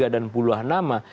dan puluh nama